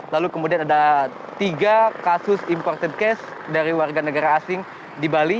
lalu kemudian ada tiga kasus imported case dari warga negara asing di bali